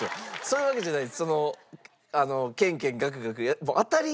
そういうわけじゃない。